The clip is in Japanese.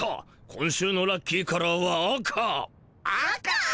今週のラッキーカラーは赤。